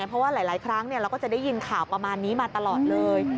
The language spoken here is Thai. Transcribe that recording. เพราะว่าหลายครั้งเราก็จะได้ยินข่าวประมาณนี้มาตลอดเลย